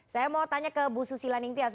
saya mau tanya ke bu susi laningtias